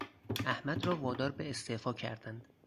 احمد را وادار به استعفا کردند.